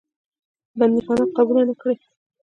بندیخانه قبوله نه کړې.